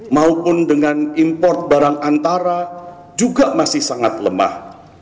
maupun dengan import barang antara juga masih sangat lemah